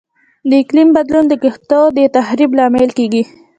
د اقلیم بدلون د کښتونو د تخریب لامل کیږي.